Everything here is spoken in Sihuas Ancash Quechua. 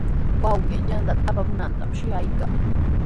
Wawqii yanta apamunantami shuyaykaa.